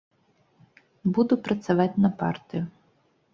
Буду працаваць на партыю.